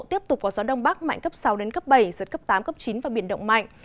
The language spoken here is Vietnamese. tiếp tục có gió đông bắc mạnh cấp sáu bảy giật cấp tám chín và biển động mạnh